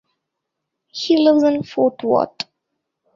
He lives in Fort Worth.